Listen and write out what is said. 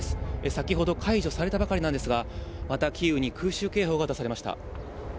先ほど解除されたばかりなんですが、また、キーウに空襲警報が出されました。